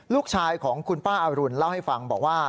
ลูกชายของคุณป้าอรุณเล่าให้ฟังบอกว่า